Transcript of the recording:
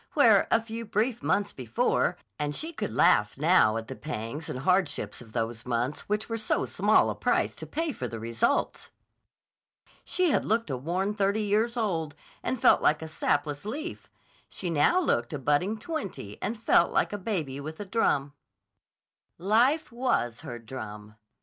Where, a few brief months before—and she could laugh now at the pangs and hardships of those months which were so small a price to pay for the results!—she had looked a worn thirty years old and felt like a sapless leaf, she now looked a budding twenty and felt like a baby with a drum. Life was her drum.